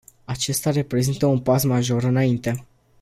Acesta reprezintă un pas major înainte.